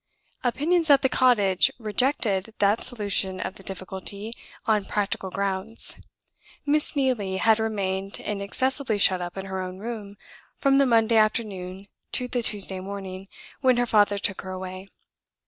Opinions at the cottage rejected that solution of the difficulty, on practical grounds. Miss Neelie had remained inaccessibly shut up in her own room, from the Monday afternoon to the Tuesday morning when her father took her away.